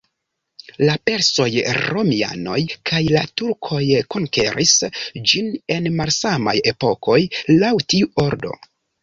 La persoj, romianoj kaj la turkoj konkeris ĝin en malsamaj epokoj laŭ tiu ordo.